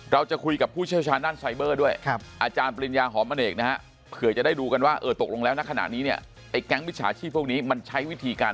เราจะคุยกับผู้เชี่ยวชาญด้านไซเบอร์ด้วยอาจารย์ปริญญาหอมอเนกนะฮะเผื่อจะได้ดูกันว่าเออตกลงแล้วณขณะนี้เนี่ยไอ้แก๊งมิจฉาชีพพวกนี้มันใช้วิธีการ